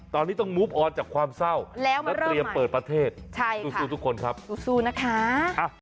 ตอนนี้ต้องก่อจากความเศร้าแล้วเริ่มเปิดประเทศใช่ค่ะทุกคนครับสู้นะคะ